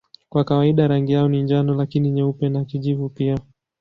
Kwa kawaida rangi yao ni njano lakini nyeupe na kijivu pia.